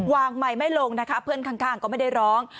ไมค์ไม่ลงนะคะเพื่อนข้างก็ไม่ได้ร้อง